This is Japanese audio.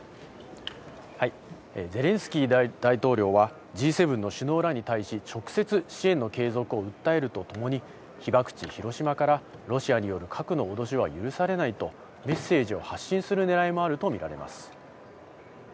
はい、ゼレンスキー大統領はＧ７の首脳らに対し、直接、支援の継続を訴えるとともに、被爆地広島からロシアによる核の脅しは許されないとメッセージを発信する狙いもあると見られます。